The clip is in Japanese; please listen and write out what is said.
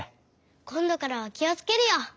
こんどからはきをつけるよ！